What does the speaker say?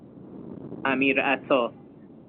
امیرعطا